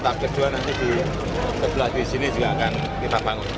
tahap kedua nanti di sebelah di sini juga akan kita bangun